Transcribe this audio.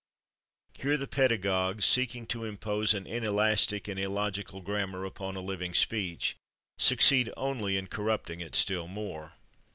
Here the pedagogues, seeking to impose an inelastic and illogical grammar upon a living speech, succeed only in corrupting it still more.